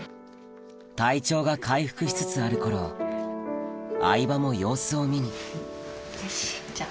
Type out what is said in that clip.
体調が回復しつつある頃相葉も様子を見によしじゃあ。